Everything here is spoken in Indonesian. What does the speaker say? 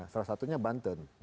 salah satunya banten